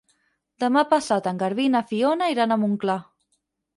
Demà passat en Garbí i na Fiona iran a Montclar.